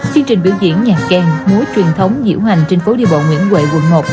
chương trình biểu diễn nhạc kèng mối truyền thống diễu hành trên phố đi bộ nguyễn huệ quận một